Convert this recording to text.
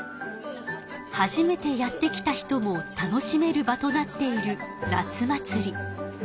初めてやって来た人も楽しめる場となっている夏祭り。